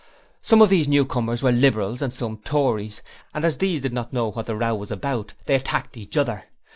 Some of these newcomers were Liberals and some Tories, and as these did not know what the row was about they attacked each other.